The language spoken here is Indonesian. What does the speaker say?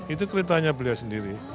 itu keretanya beliau sendiri